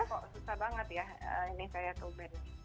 susah banget ya ini saya to be